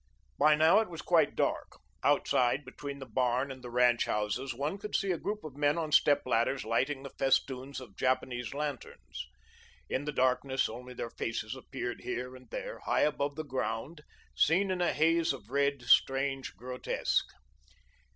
By now it was quite dark. Outside, between the barn and the ranch houses one could see a group of men on step ladders lighting the festoons of Japanese lanterns. In the darkness, only their faces appeared here and there, high above the ground, seen in a haze of red, strange, grotesque.